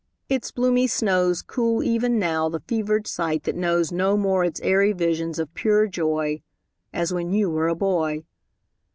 Its bloomy snows Cool even now the fevered sight that knows No more its airy visions of pure joy As when you were a boy.